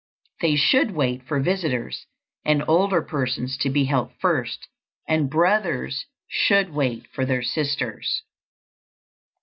They should wait for visitors and older persons to be helped first, and brothers should wait for their sisters.